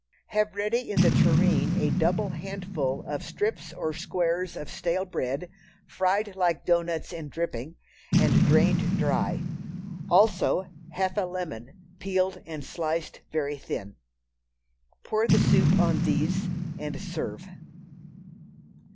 Have ready in the tureen a double handful of strips or squares of stale bread, fried like doughnuts in dripping, and drained dry. Also, half a lemon, peeled and sliced very thin. Pour the soup on these and serve.